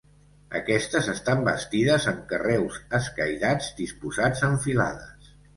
Aquestes estan bastides amb carreus escairats disposats en filades.